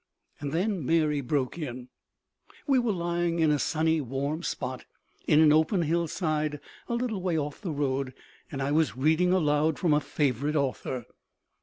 And then Mary broke in. We were lying in a sunny warm spot on an open hillside a little way off the road, and I was reading aloud from a favorite author.